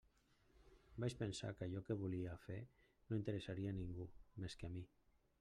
Vaig pensar que allò que volia fer no interessaria a ningú més que a mi.